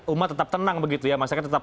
umat tetap tenang begitu ya masyarakat tetap